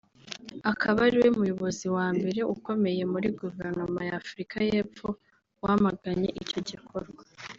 akaba ariwe muyobozi wa mbere ukomeye muri guverinoma ya Afurika y’Epfo wamaganye icyo gikorwa